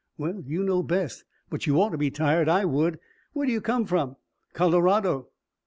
"Well, you know best but you ought to be tired. I would. Where do you come from?" "Colorado."